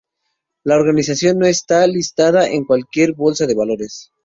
La organización no está listada en cualquier Bolsa de Valores.